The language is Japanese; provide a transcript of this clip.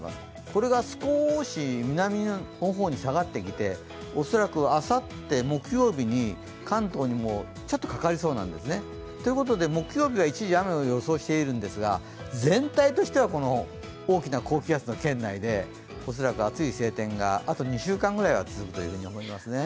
これが少し南の方に下がってきて恐らくあさって木曜日に関東にもちょっとかかりそうなんですね。ということで木曜日は一時雨を予想しているんですが全体としては大きな高気圧の圏内で恐らく暑い晴天があと２週間ぐらいは続くと思いますね。